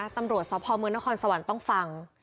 ตำรวจศพมนครสะวัลต้องฟัง